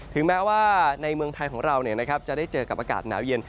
แม้ว่าในเมืองไทยของเราจะได้เจอกับอากาศหนาวเย็น